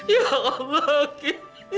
ya allah ki